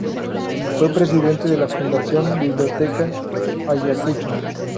Fue presidente de la Fundación Biblioteca Ayacucho.